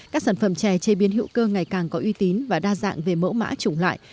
các sản phẩm chè chế biến hữu cơ ngày càng có uy tín và đa dạng về mẫu mã chủng loại